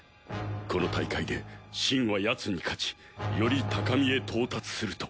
この大会でシンはヤツに勝ちより高みへ到達すると。